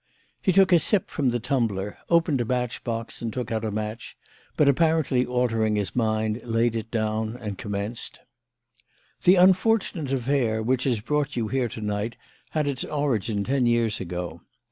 He took a sip from the tumbler, opened a matchbox and took out a match, but apparently altering his mind, laid it down and commenced: "The unfortunate affair which has brought you here to night, had its origin ten years ago.